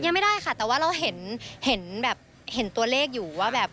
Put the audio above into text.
ยังไม่ได้ค่ะแต่ว่าเราเห็นแบบเห็นตัวเลขอยู่ว่าแบบ